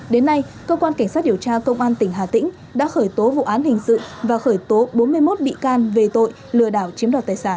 đến nay cơ quan cảnh sát điều tra công an tỉnh hà tĩnh đã khởi tố vụ án hình sự và khởi tố bốn mươi một bị can về tội lừa đảo chiếm đoạt tài sản